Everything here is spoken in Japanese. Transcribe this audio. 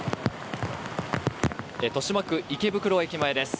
豊島区池袋駅前です。